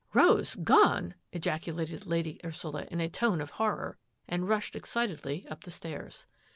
Rose gone !" ejaculated Lady Ursula in a tone of horror, and rushed excitedly up the stairs.